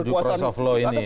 ada dua proses of law ini ya